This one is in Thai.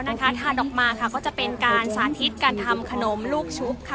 นะคะทานออกมาค่ะก็จะเป็นการสาธิตการทำขนมลูกชุบค่ะ